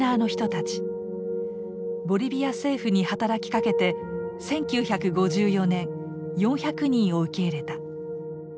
ボリビア政府に働きかけて１９５４年４００人を受け入れた。